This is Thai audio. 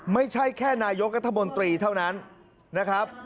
ไม่ใช่แค่นายกรัฐมนตรีเท่านั้นนะครับ